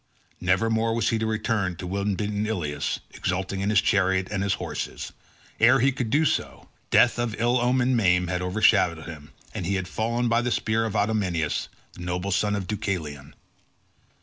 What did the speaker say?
Nevermore was he to return to wind beaten Ilius, exulting in his chariot and his horses; ere he could do so, death of ill omened name had overshadowed him and he had fallen by the spear of Idomeneus the noble son of Deucalion.